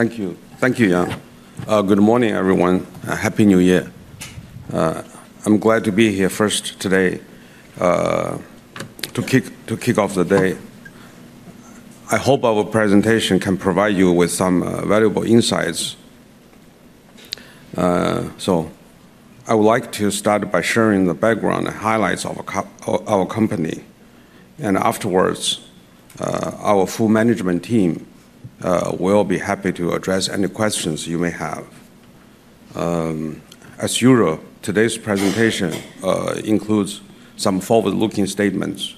Thank you. Thank you, Yang. Good morning, everyone. Happy New Year. I'm glad to be here first today to kick off the day. I hope our presentation can provide you with some valuable insights. I would like to start by sharing the background and highlights of our company. Afterwards, our full management team will be happy to address any questions you may have. As usual, today's presentation includes some forward-looking statements.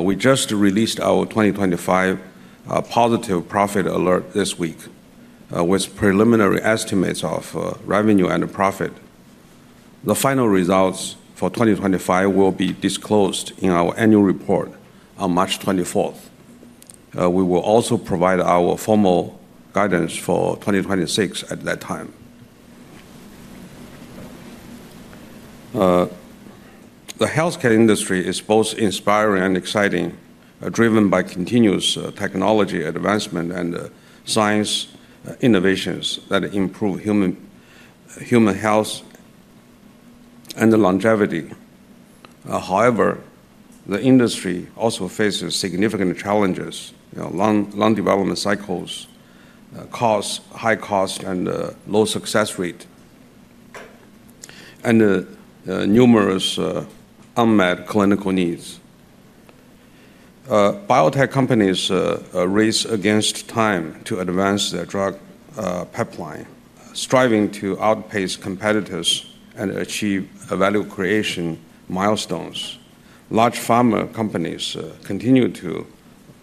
We just released our 2025 positive profit alert this week, with preliminary estimates of revenue and profit. The final results for 2025 will be disclosed in our annual report on March 24. We will also provide our formal guidance for 2026 at that time. The healthcare industry is both inspiring and exciting, driven by continuous technology advancement and science innovations that improve human health and longevity. However, the industry also faces significant challenges. Long development cycles cause high costs and low success rates, and numerous unmet clinical needs. Biotech companies race against time to advance their drug pipeline, striving to outpace competitors and achieve value creation milestones. Large pharma companies continue to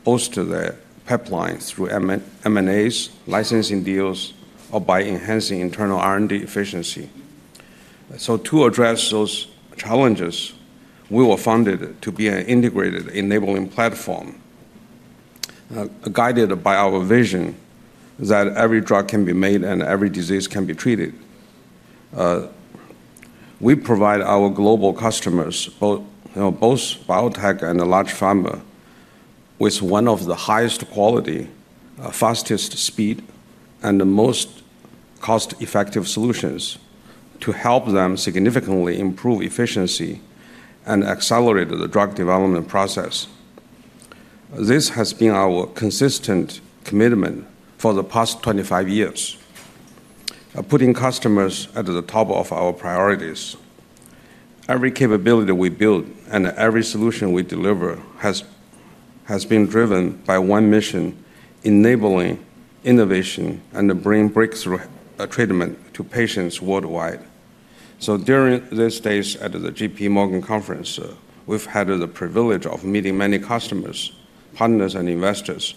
bolster their pipeline through M&As, licensing deals, or by enhancing internal R&D efficiency. So to address those challenges, we were founded to be an integrated enabling platform, guided by our vision that every drug can be made and every disease can be treated. We provide our global customers, both biotech and large pharma, with one of the highest quality, fastest speed, and the most cost-effective solutions to help them significantly improve efficiency and accelerate the drug development process. This has been our consistent commitment for the past 25 years, putting customers at the top of our priorities. Every capability we build and every solution we deliver has been driven by one mission: enabling innovation and bringing breakthrough treatment to patients worldwide. So during these days at the J.P. Morgan Conference, we've had the privilege of meeting many customers, partners, and investors.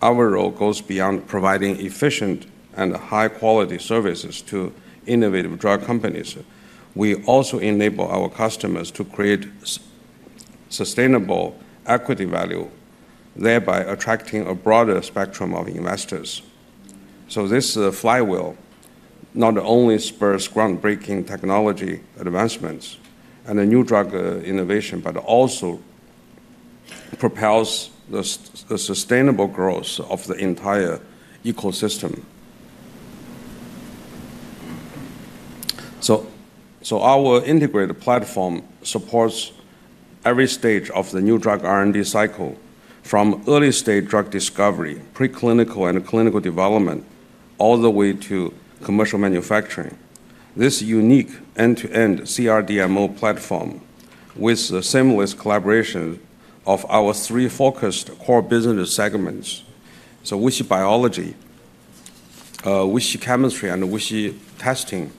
Our role goes beyond providing efficient and high-quality services to innovative drug companies. We also enable our customers to create sustainable equity value, thereby attracting a broader spectrum of investors. So this flywheel not only spurs groundbreaking technology advancements and new drug innovation, but also propels the sustainable growth of the entire ecosystem. So our integrated platform supports every stage of the new drug R&D cycle, from early-stage drug discovery, preclinical and clinical development, all the way to commercial manufacturing. This unique end-to-end CRDMO platform, with seamless collaboration of our three focused core business segments, so WuXi Biology, WuXi Chemistry, and WuXi Testing,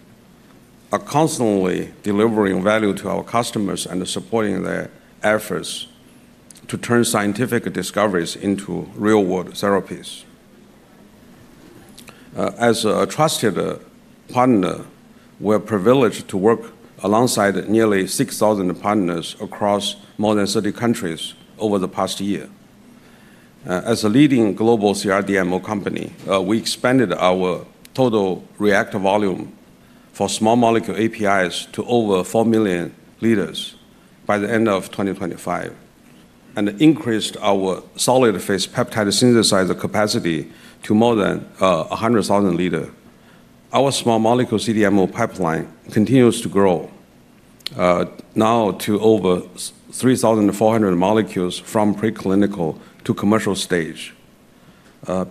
are constantly delivering value to our customers and supporting their efforts to turn scientific discoveries into real-world therapies. As a trusted partner, we are privileged to work alongside nearly 6,000 partners across more than 30 countries over the past year. As a leading global CRDMO company, we expanded our total reactor volume for small molecule APIs to over 4 million liters by the end of 2025 and increased our solid phase peptide synthesizer capacity to more than 100,000 liters. Our small molecule CDMO pipeline continues to grow now to over 3,400 molecules from preclinical to commercial stage.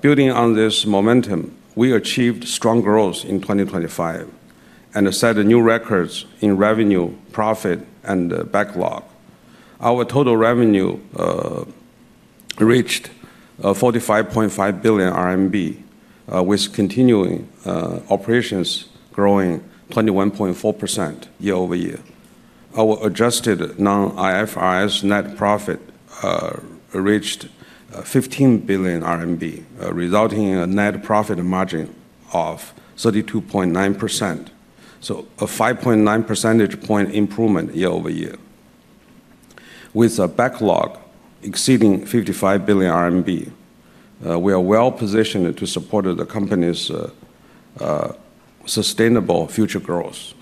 Building on this momentum, we achieved strong growth in 2025 and set new records in revenue, profit, and backlog. Our total revenue reached 45.5 billion RMB, with continuing operations growing 21.4% year over year. Our adjusted non-IFRS net profit reached 15 billion RMB, resulting in a net profit margin of 32.9%, so a 5.9 percentage point improvement year over year. With a backlog exceeding 55 billion RMB, we are well positioned to support the company's sustainable future growth.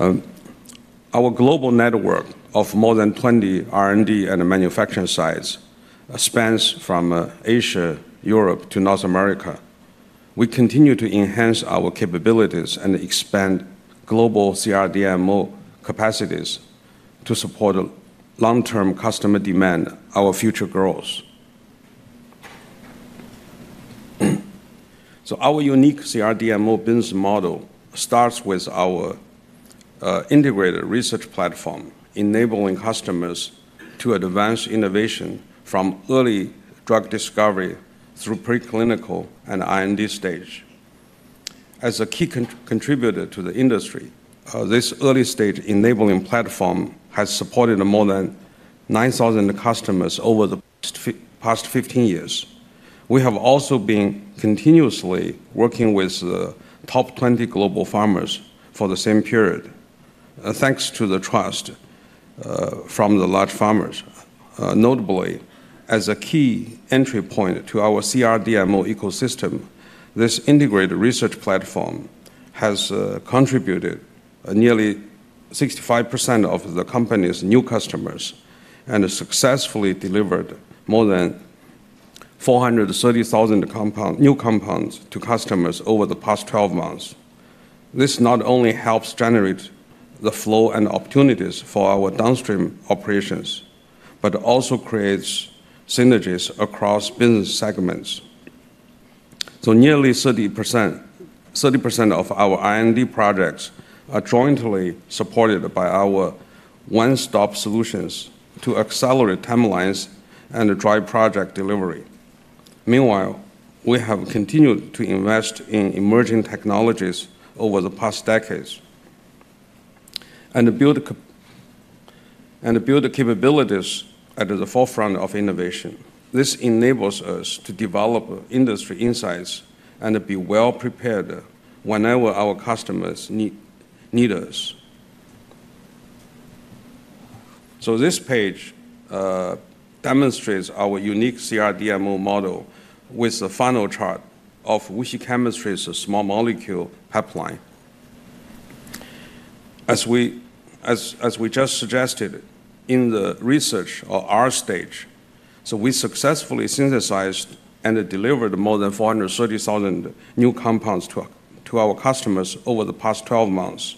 Our global network of more than 20 R&D and manufacturing sites spans from Asia, Europe, to North America. We continue to enhance our capabilities and expand global CRDMO capacities to support long-term customer demand, our future growth. So our unique CRDMO business model starts with our integrated research platform, enabling customers to advance innovation from early drug discovery through preclinical and R&D stage. As a key contributor to the industry, this early-stage enabling platform has supported more than 9,000 customers over the past 15 years. We have also been continuously working with the top 20 global pharmas for the same period, thanks to the trust from the large pharmas. Notably, as a key entry point to our CRDMO ecosystem, this integrated research platform has contributed nearly 65% of the company's new customers and successfully delivered more than 430,000 new compounds to customers over the past 12 months. This not only helps generate the flow and opportunities for our downstream operations, but also creates synergies across business segments. So nearly 30% of our R&D projects are jointly supported by our one-stop solutions to accelerate timelines and drive project delivery. Meanwhile, we have continued to invest in emerging technologies over the past decades and build capabilities at the forefront of innovation. This enables us to develop industry insights and be well prepared whenever our customers need us. So this page demonstrates our unique CRDMO model with the final chart of WuXi Chemistry's small molecule pipeline. As we just suggested, in the research or R stage, so we successfully synthesized and delivered more than 430,000 new compounds to our customers over the past 12 months.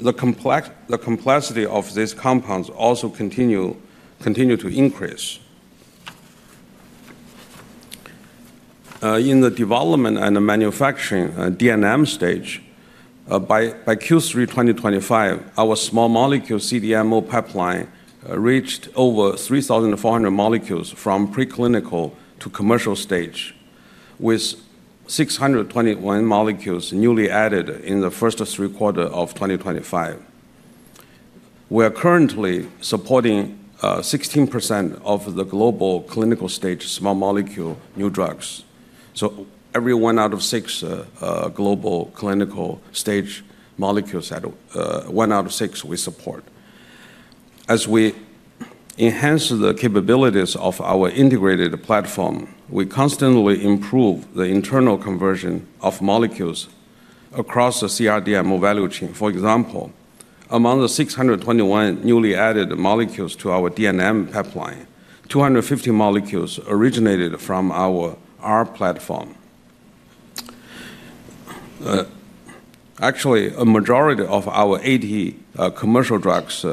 The complexity of these compounds also continued to increase. In the development and manufacturing D&M stage, by Q3 2025, our small molecule CDMO pipeline reached over 3,400 molecules from preclinical to commercial stage, with 621 molecules newly added in the first three quarters of 2025. We are currently supporting 16% of the global clinical stage small molecule new drugs. So every one out of six global clinical stage small molecule new drugs, one out of six, we support. As we enhance the capabilities of our integrated platform, we constantly improve the internal conversion of molecules across the CRDMO value chain. For example, among the 621 newly added molecules to our D&M pipeline, 250 molecules originated from our R platform. Actually, a majority of our 80 commercial drugs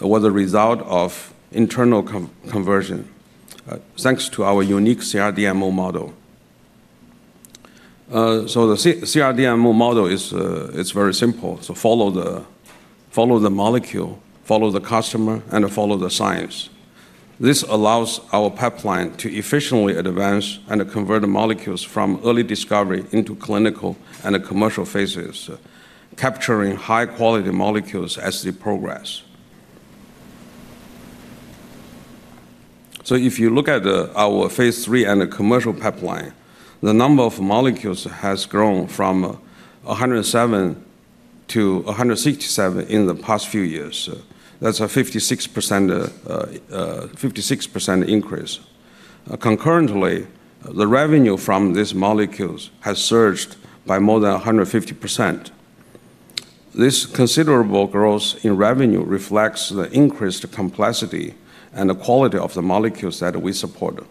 were the result of internal conversion, thanks to our unique CRDMO model. So the CRDMO model is very simple. So follow the molecule, follow the customer, and follow the science. This allows our pipeline to efficiently advance and convert the molecules from early discovery into clinical and commercial phases, capturing high-quality molecules as they progress. So if you look at our phase three and commercial pipeline, the number of molecules has grown from 107 to 167 in the past few years. That's a 56% increase. Concurrently, the revenue from these molecules has surged by more than 150%. This considerable growth in revenue reflects the increased complexity and the quality of the molecules that we support,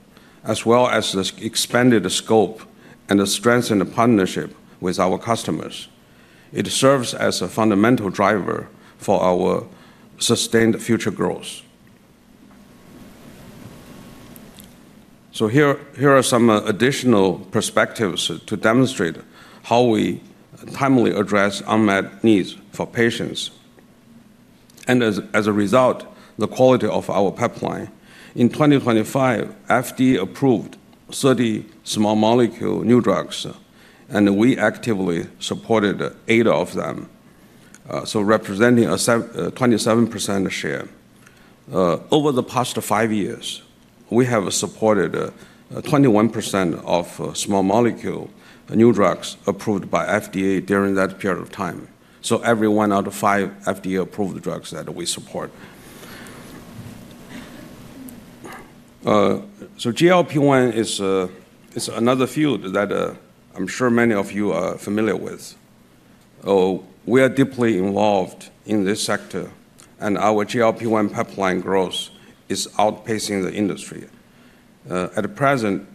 as well as the expanded scope and the strengthened partnership with our customers. It serves as a fundamental driver for our sustained future growth, so here are some additional perspectives to demonstrate how we timely address unmet needs for patients, and as a result, the quality of our pipeline. In 2025, FDA approved 30 small molecule new drugs, and we actively supported eight of them, so representing a 27% share. Over the past five years, we have supported 21% of small molecule new drugs approved by FDA during that period of time, so every one out of five FDA-approved drugs that we support, so GLP-1 is another field that I'm sure many of you are familiar with. We are deeply involved in this sector, and our GLP-1 pipeline growth is outpacing the industry. At present,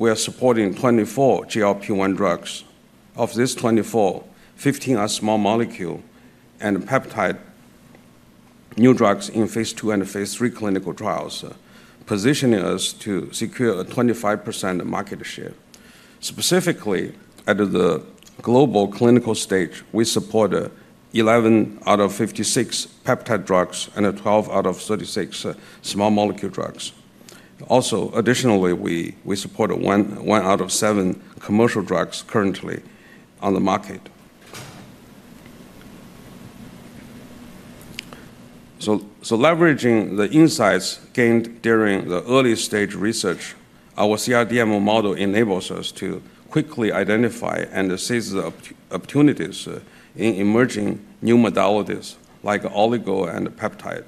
we are supporting 24 GLP-1 drugs. Of these 24, 15 are small molecule and peptide new drugs in phase two and phase three clinical trials, positioning us to secure a 25% market share. Specifically, at the global clinical stage, we support 11 out of 56 peptide drugs and 12 out of 36 small molecule drugs. Also, additionally, we support one out of seven commercial drugs currently on the market. So leveraging the insights gained during the early-stage research, our CRDMO model enables us to quickly identify and seize the opportunities in emerging new modalities like oligo and peptide.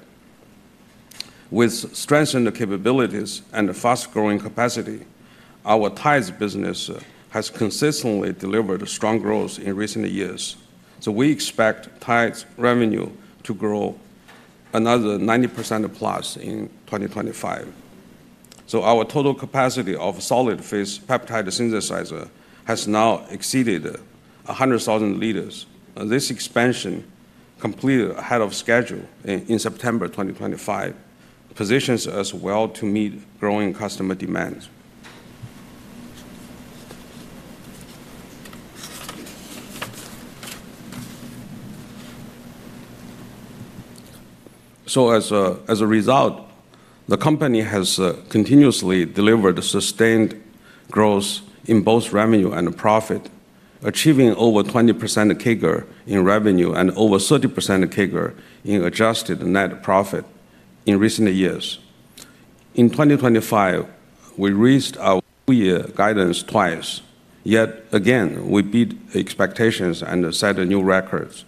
With strengthened capabilities and fast-growing capacity, our Tides business has consistently delivered strong growth in recent years. So we expect Tides revenue to grow another 90% plus in 2025. Our total capacity of solid phase peptide synthesizer has now exceeded 100,000 liters. This expansion, completed ahead of schedule in September 2025, positions us well to meet growing customer demand. As a result, the company has continuously delivered sustained growth in both revenue and profit, achieving over 20% CAGR in revenue and over 30% CAGR in adjusted net profit in recent years. In 2025, we raised our two-year guidance twice. Yet again, we beat expectations and set new records.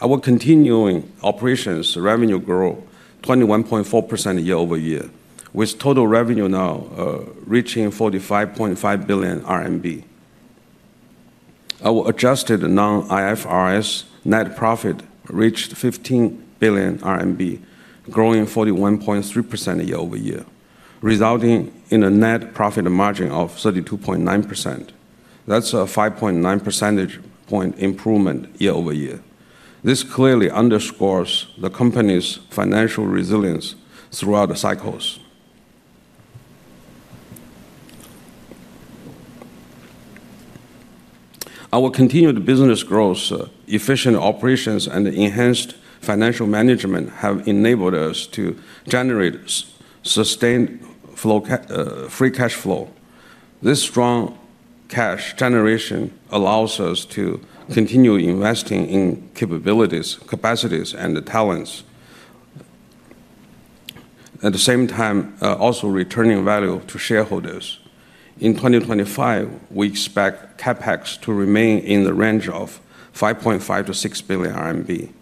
Our continuing operations revenue grew 21.4% year over year, with total revenue now reaching 45.5 billion RMB. Our adjusted non-IFRS net profit reached 15 billion RMB, growing 41.3% year over year, resulting in a net profit margin of 32.9%. That's a 5.9 percentage point improvement year over year. This clearly underscores the company's financial resilience throughout the cycles. Our continued business growth, efficient operations, and enhanced financial management have enabled us to generate sustained free cash flow. This strong cash generation allows us to continue investing in capabilities, capacities, and talents, at the same time also returning value to shareholders. In 2025, we expect CapEx to remain in the range of 5.5 billion-6 billion RMB.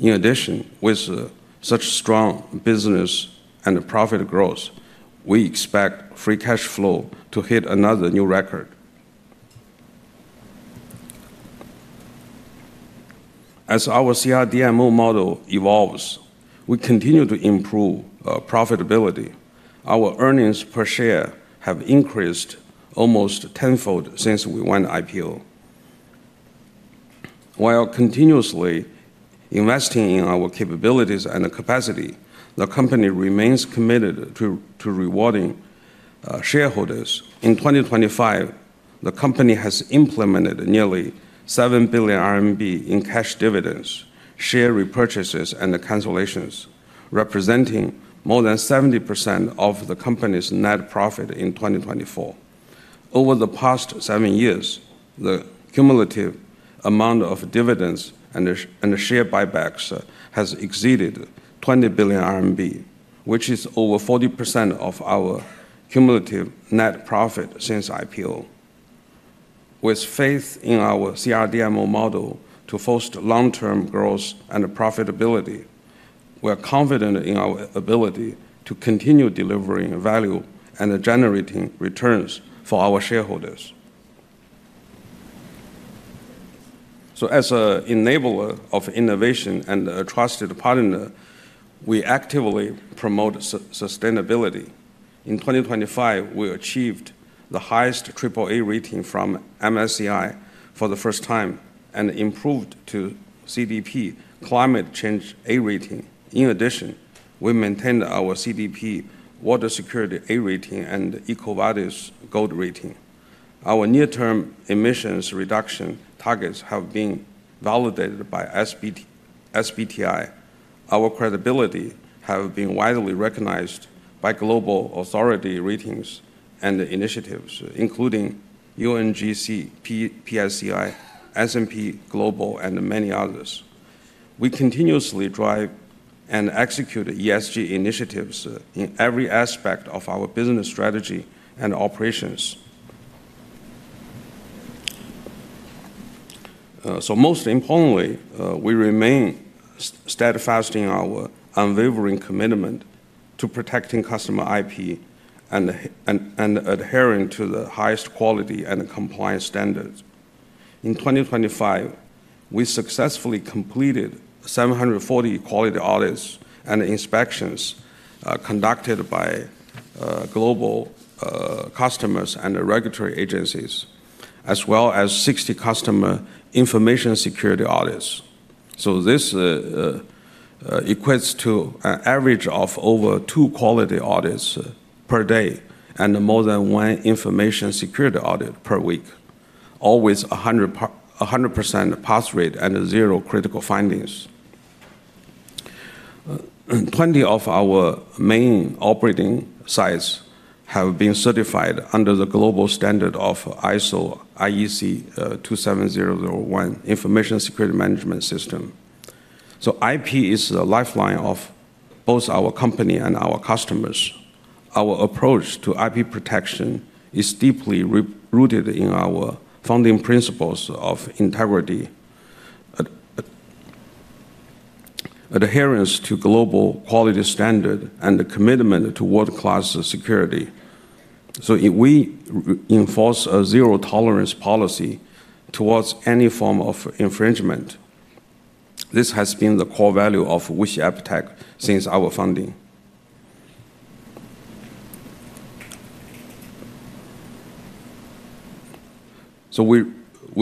In addition, with such strong business and profit growth, we expect free cash flow to hit another new record. As our CRDMO model evolves, we continue to improve profitability. Our earnings per share have increased almost tenfold since we went IPO. While continuously investing in our capabilities and capacity, the company remains committed to rewarding shareholders. In 2025, the company has implemented nearly 7 billion RMB in cash dividends, share repurchases, and cancellations, representing more than 70% of the company's net profit in 2024. Over the past seven years, the cumulative amount of dividends and share buybacks has exceeded 20 billion RMB, which is over 40% of our cumulative net profit since IPO. With faith in our CRDMO model to foster long-term growth and profitability, we are confident in our ability to continue delivering value and generating returns for our shareholders, so as an enabler of innovation and a trusted partner, we actively promote sustainability. In 2025, we achieved the highest AAA rating from MSCI for the first time and improved to CDP Climate Change A rating. In addition, we maintained our CDP Water Security A rating and EcoVadis Gold rating. Our near-term emissions reduction targets have been validated by SBTi. Our credibility has been widely recognized by global authority ratings and initiatives, including UNGC, PSCI, S&P Global, and many others. We continuously drive and execute ESG initiatives in every aspect of our business strategy and operations, so most importantly, we remain steadfast in our unwavering commitment to protecting customer IP and adhering to the highest quality and compliance standards. In 2025, we successfully completed 740 quality audits and inspections conducted by global customers and regulatory agencies, as well as 60 customer information security audits, so this equates to an average of over two quality audits per day and more than one information security audit per week, always 100% pass rate and zero critical findings. 20 of our main operating sites have been certified under the global standard of ISO/IEC 27001, Information Security Management System, so IP is the lifeline of both our company and our customers. Our approach to IP protection is deeply rooted in our founding principles of integrity, adherence to global quality standards, and commitment to world-class security. So we enforce a zero tolerance policy towards any form of infringement. This has been the core value of WuXi AppTec since our founding. So we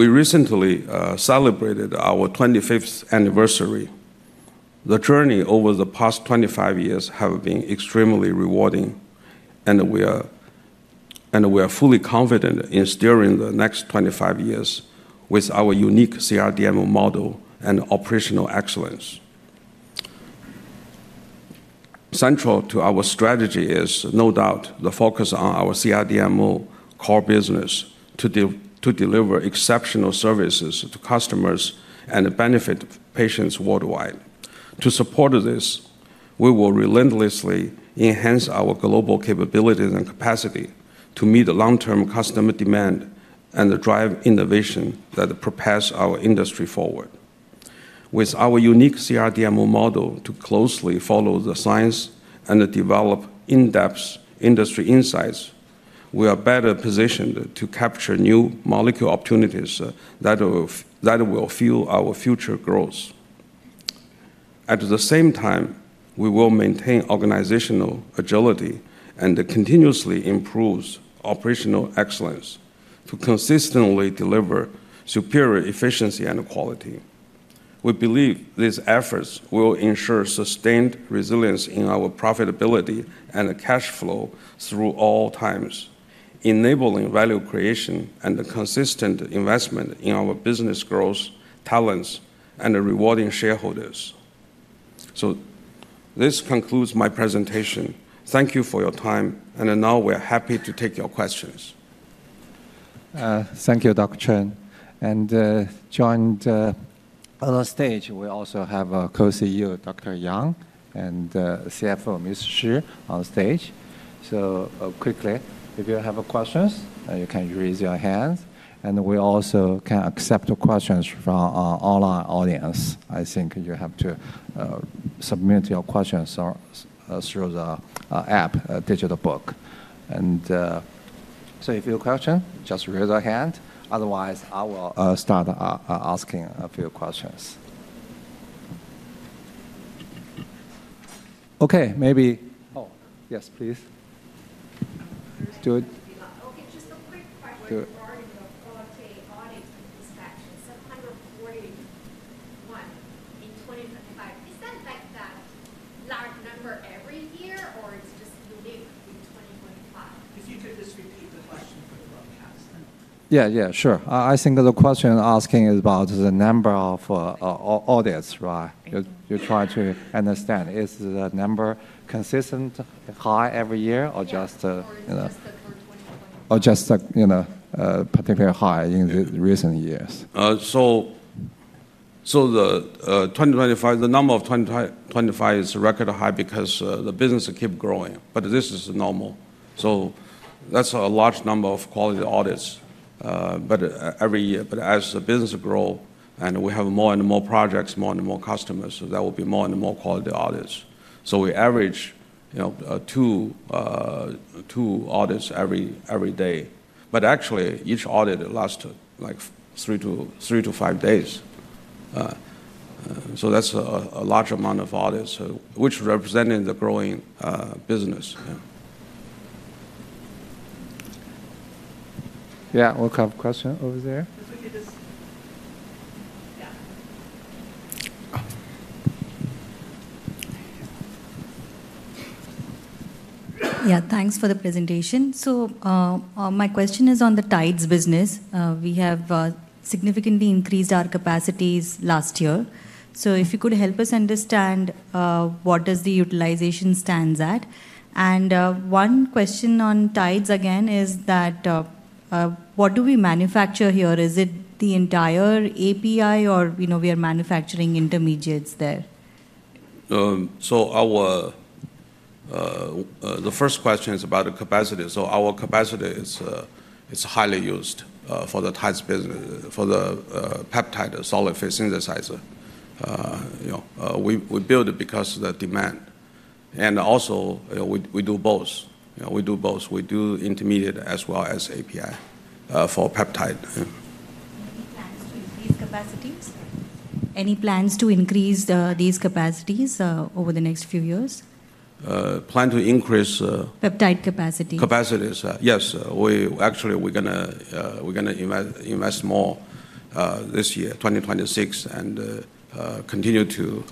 recently celebrated our 25th anniversary. The journey over the past 25 years has been extremely rewarding, and we are fully confident in steering the next 25 years with our unique CRDMO model and operational excellence. Central to our strategy is, no doubt, the focus on our CRDMO core business to deliver exceptional services to customers and benefit patients worldwide. To support this, we will relentlessly enhance our global capabilities and capacity to meet long-term customer demand and drive innovation that propels our industry forward. With our unique CRDMO model to closely follow the science and develop in-depth industry insights, we are better positioned to capture new molecule opportunities that will fuel our future growth. At the same time, we will maintain organizational agility and continuously improve operational excellence to consistently deliver superior efficiency and quality. We believe these efforts will ensure sustained resilience in our profitability and cash flow through all times, enabling value creation and consistent investment in our business growth, talents, and rewarding shareholders, so this concludes my presentation. Thank you for your time, and now we are happy to take your questions. Thank you, Dr. Chen, and on the stage, we also have Co-CEO Dr. Yang and CFO Ms. Shi on stage, so quickly, if you have questions, you can raise your hand, and we also can accept questions from our online audience. I think you have to submit your questions through the app, digital booth, and so if you have a question, just raise your hand. Otherwise, I will start asking a few questions. Okay, maybe oh, yes, please. Okay, just a quick question regarding the quality audit inspections, 741 in 2025. Is that like that large number every year, or it's just unique in 2025? If you could just repeat the question for the broadcast. Yeah, yeah, sure. I think the question asking is about the number of audits, right? You're trying to understand, is the number consistently high every year or just particularly high in recent years? So the number for 2025 is record high because the business keeps growing. But this is normal. So that's a large number of quality audits every year. But as the business grows and we have more and more projects, more and more customers, there will be more and more quality audits. So we average two audits every day. But actually, each audit lasts like three-to-five days. So that's a large amount of audits, which represents the growing business. Yeah, we'll have a question over there. If we could just yeah. Yeah, thanks for the presentation. So my question is on the Tides business. We have significantly increased our capacities last year. So if you could help us understand what the utilization stands at? And one question on Tides again is that what do we manufacture here? Is it the entire API, or we are manufacturing intermediates there? So the first question is about the capacity. Our capacity is highly used for the Tides business, for the solid phase peptide synthesizer. We build it because of the demand. And also, we do both. We do both. We do intermediate as well as API for peptide. Any plans to increase capacities? Any plans to increase these capacities over the next few years? Plan to increase. Peptide capacity. Capacities. Yes. Actually, we're going to invest more this year, 2026, and continue to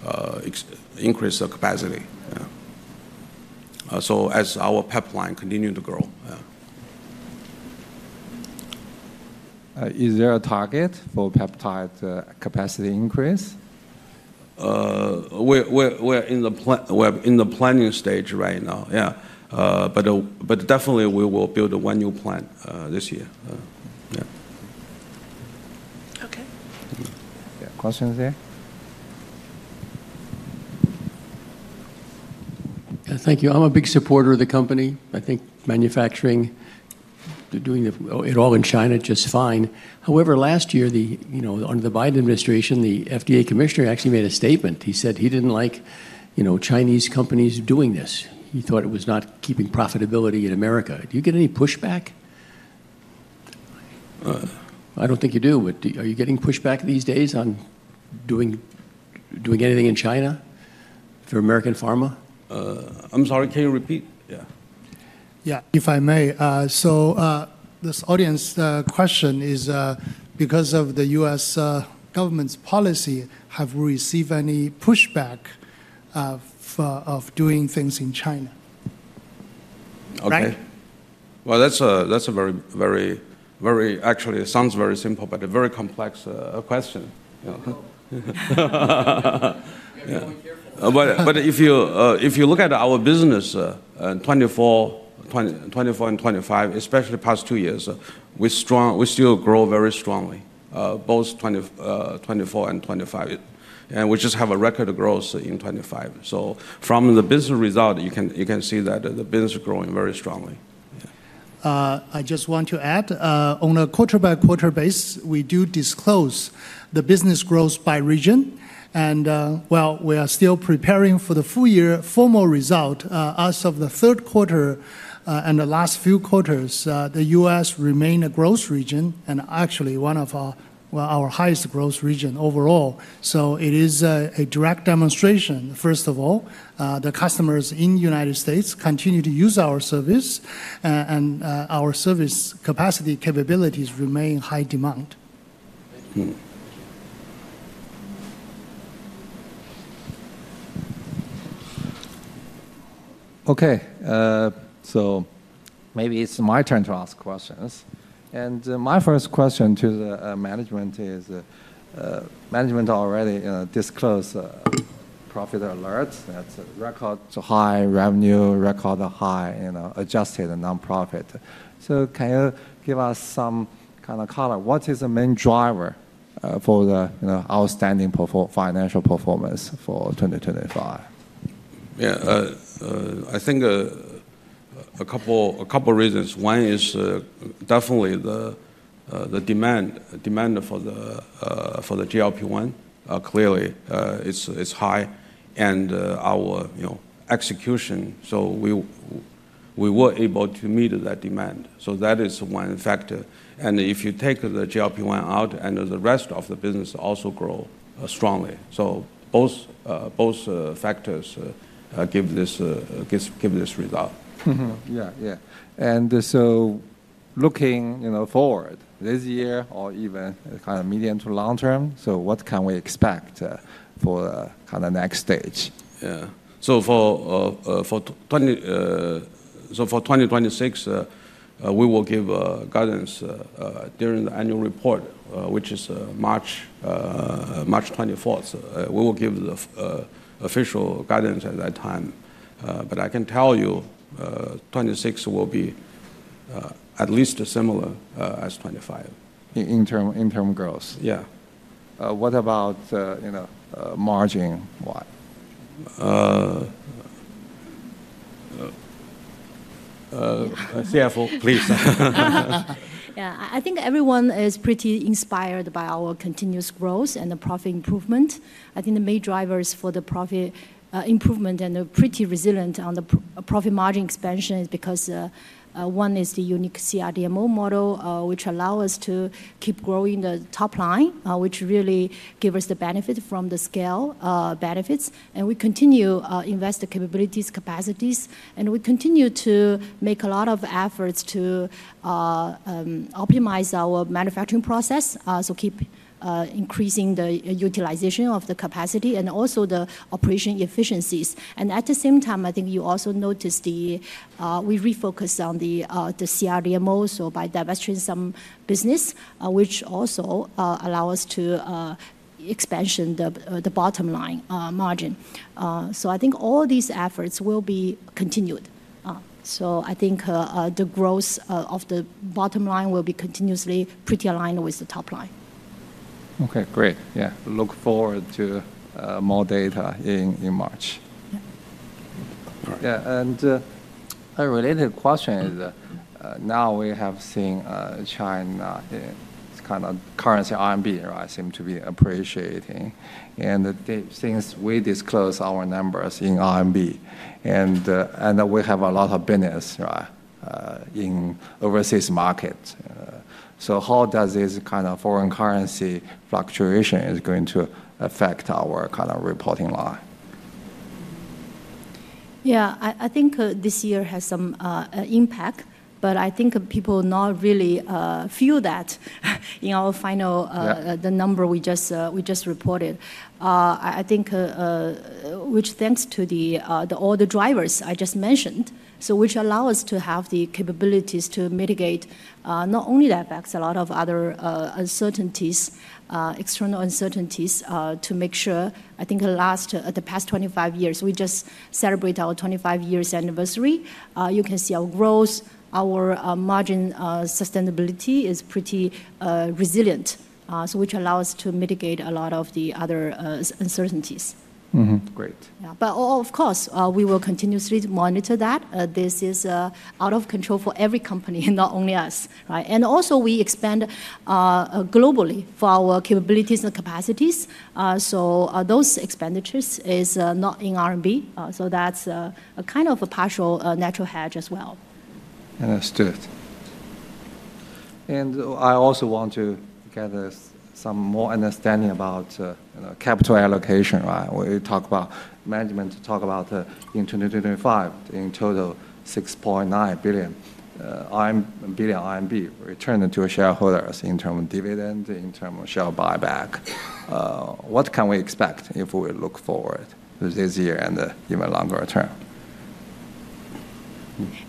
increase the capacity as our pipeline continues to grow. Is there a target for peptide capacity increase? We're in the planning stage right now. Yeah. But definitely, we will build one new plant this year. Yeah. Okay. Questions there? Thank you. I'm a big supporter of the company. I think manufacturing, doing it all in China, just fine. However, last year, under the Biden administration, the FDA commissioner actually made a statement. He said he didn't like Chinese companies doing this. He thought it was not keeping profitability in America. Do you get any pushback? I don't think you do. But are you getting pushback these days on doing anything in China for American pharma? I'm sorry, can you repeat? Yeah. Yeah, if I may. So this audience question is, because of the U.S. government's policy, have we received any pushback of doing things in China? Okay. Well, that's a very, very, very actually, it sounds very simple, but a very complex question. But if you look at our business in 2024 and 2025, especially the past two years, we still grow very strongly, both 2024 and 2025. And we just have a record of growth in 2025. So from the business result, you can see that the business is growing very strongly. I just want to add, on a quarter-by-quarter basis, we do disclose the business growth by region. And while we are still preparing for the full-year formal result, as of the third quarter and the last few quarters, the U.S. remains a growth region and actually one of our highest growth regions overall. So it is a direct demonstration, first of all, that customers in the United States continue to use our service, and our service capacity and capabilities remain in high demand. Okay, so maybe it's my turn to ask questions, and my first question to the management is, management already disclosed profit alerts. That's a record high revenue, record high adjusted non-IFRS profit, so can you give us some kind of color? What is the main driver for the outstanding financial performance for 2025? Yeah, I think a couple of reasons. One is definitely the demand for the GLP-1. Clearly, it's high. And our execution, so we were able to meet that demand. So that is one factor. And if you take the GLP-1 out, and the rest of the business also grows strongly. So both factors give this result. Yeah, yeah. And so looking forward this year or even kind of medium to long term, so what can we expect for the kind of next stage? Yeah. So for 2026, we will give guidance during the annual report, which is March 24. We will give the official guidance at that time. But I can tell you 2026 will be at least similar to 2025. Interim growth? Yeah. What about margin? CFO, please. Yeah, I think everyone is pretty inspired by our continuous growth and the profit improvement. I think the main drivers for the profit improvement and pretty resilient on the profit margin expansion is because one is the unique CRDMO model, which allows us to keep growing the top line, which really gives us the benefit from the scale benefits, and we continue to invest the capabilities, capacities, and we continue to make a lot of efforts to optimize our manufacturing process, so keep increasing the utilization of the capacity and also the operation efficiencies. And at the same time, I think you also noticed we refocus on the CRDMO, so by divesting some business, which also allows us to expand the bottom line margin, so I think all these efforts will be continued. So I think the growth of the bottom line will be continuously pretty aligned with the top line. Okay, great. Yeah, I look forward to more data in March. Yeah, and a related question is, now we have seen China's kind of currency RMB seem to be appreciating. And since we disclosed our numbers in RMB, and we have a lot of business in overseas markets, so how does this kind of foreign currency fluctuation going to affect our kind of reporting line? Yeah, I think this year has some impact, but I think people not really feel that in our final, the number we just reported. I think which thanks to all the drivers I just mentioned, so which allow us to have the capabilities to mitigate not only the effects, a lot of other uncertainties, external uncertainties, to make sure. I think the last, the past 25 years, we just celebrated our 25 years anniversary. You can see our growth, our margin sustainability is pretty resilient, which allows us to mitigate a lot of the other uncertainties. Great. Yeah, but of course, we will continuously monitor that. This is out of control for every company, not only us, and also, we expand globally for our capabilities and capacities. So those expenditures are not in RMB, so that's a kind of a partial natural hedge as well. Understood. And I also want to get some more understanding about capital allocation. We talk about management to talk about in 2025, in total, 6.9 billion RMB returned to shareholders in terms of dividend, in terms of share buyback. What can we expect if we look forward this year and even longer term?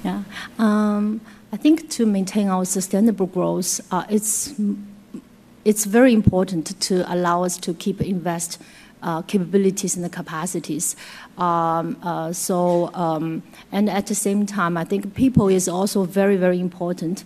Yeah. I think to maintain our sustainable growth, it's very important to allow us to keep investing capabilities and the capacities. At the same time, I think people is also very, very important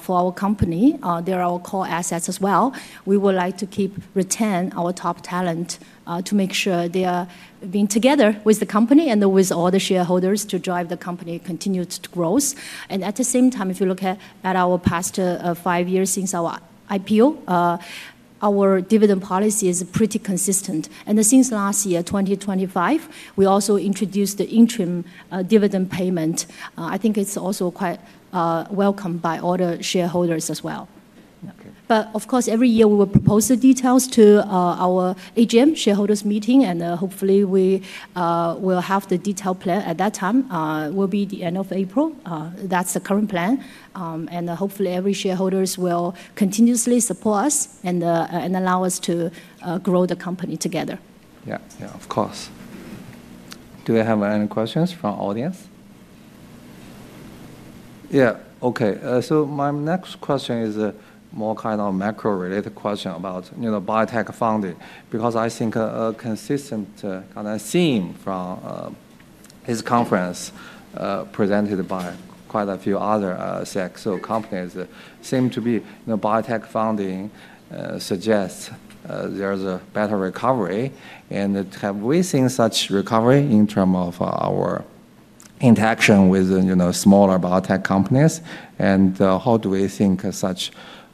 for our company. They're our core assets as well. We would like to keep retaining our top talent to make sure they are being together with the company and with all the shareholders to drive the company's continued growth. At the same time, if you look at our past five years since our IPO, our dividend policy is pretty consistent. Since last year, 2025, we also introduced the interim dividend payment. I think it's also quite welcome by all the shareholders as well. Of course, every year, we will propose the details to our AGM, shareholders' meeting. Hopefully, we will have the detailed plan at that time. It will be the end of April. That's the current plan, and hopefully, every shareholder will continuously support us and allow us to grow the company together. Yeah, yeah, of course. Do we have any questions from the audience? Yeah. Okay. So my next question is more kind of macro-related question about biotech funding, because I think a consistent kind of theme from this conference presented by quite a few other CEOs or companies seems to be biotech funding suggests there's a better recovery. And have we seen such recovery in terms of our interaction with smaller biotech companies? And how do we think such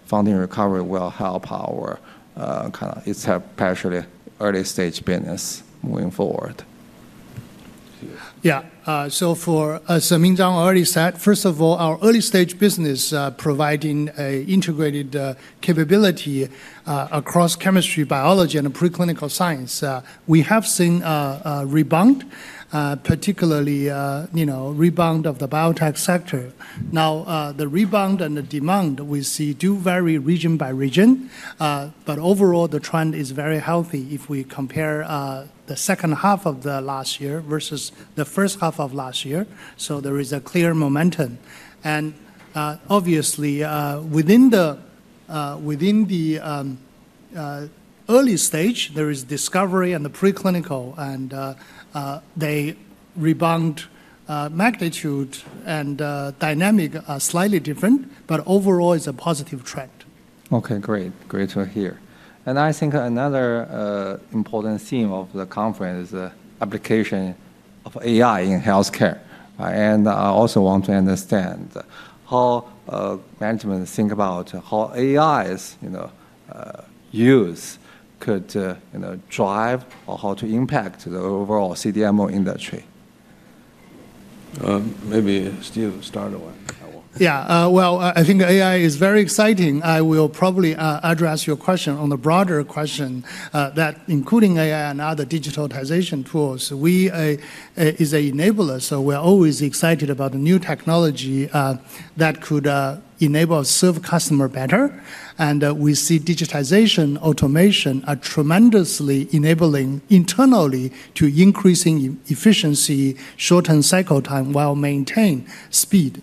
funding recovery will help our kind of especially early-stage business moving forward? Yeah. So, as Minzhang already said, first of all, our early-stage business providing an integrated capability across chemistry, biology, and preclinical science, we have seen a rebound, particularly a rebound of the biotech sector. Now, the rebound and the demand we see do vary region by region. But overall, the trend is very healthy if we compare the second half of last year versus the first half of last year. So there is a clear momentum. And obviously, within the early stage, there is discovery and the preclinical, and the rebound magnitude and dynamic are slightly different. But overall, it's a positive trend. Okay, great. Great to hear. And I think another important theme of the conference is the application of AI in healthcare. And I also want to understand how management thinks about how AI's use could drive or how to impact the overall CDMO industry. Maybe Steve will start. Yeah, well, I think AI is very exciting. I will probably address your question on the broader question that including AI and other digitization tools, we is an enabler, so we're always excited about the new technology that could enable serve customers better, and we see digitization, automation are tremendously enabling internally to increasing efficiency, shorten cycle time while maintaining speed,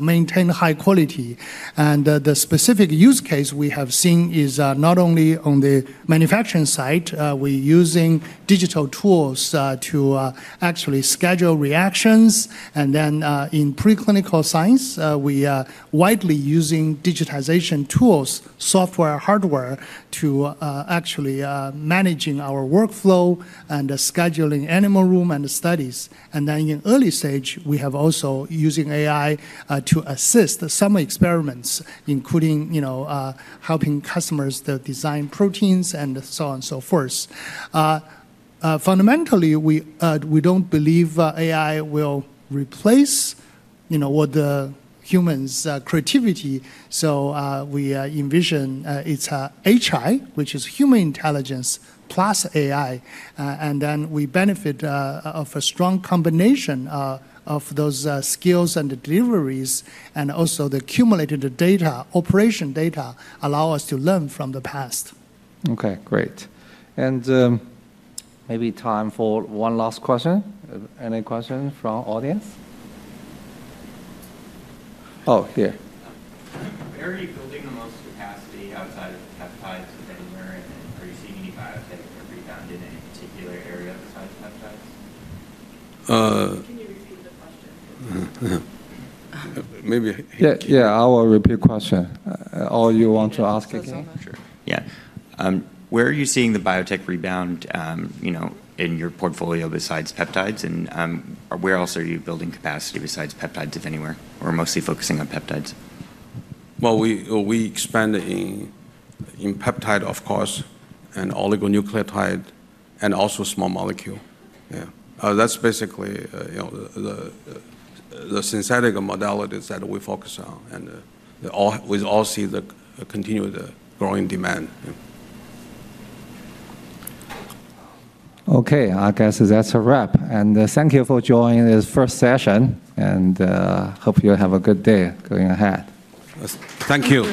maintaining high quality, and the specific use case we have seen is not only on the manufacturing side. We're using digital tools to actually schedule reactions, and then in preclinical science, we are widely using digitization tools, software, hardware to actually manage our workflow and scheduling animal room and studies, and then in early stage, we have also used AI to assist some experiments, including helping customers design proteins and so on and so forth. Fundamentally, we don't believe AI will replace humans' creativity. So we envision it's HI, which is human intelligence plus AI. And then we benefit of a strong combination of those skills and deliveries. And also the accumulated data, operation data allow us to learn from the past. Okay, great. And maybe time for one last question. Any questions from the audience? Oh, here. Are you building the most capacity outside of peptides anywhere? And are you seeing any biotech rebound in any particular area besides peptides? Can you repeat the question? Maybe. Yeah, I will repeat the question. Or you want to ask again? Yeah. Where are you seeing the biotech rebound in your portfolio besides peptides? And where else are you building capacity besides peptides, if anywhere? Or mostly focusing on peptides? We expanded in peptide, of course, and oligonucleotide, and also small molecule. Yeah. That's basically the synthetic modalities that we focus on. We all see the continued growing demand. Okay. I guess that's a wrap. And thank you for joining this first session. And hope you have a good day going ahead. Thank you.